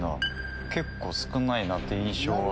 結構少ないなという印象は。